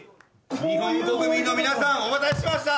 日本国民の皆さんお待たせしました！